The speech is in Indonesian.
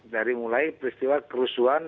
dari mulai peristiwa kerusuhan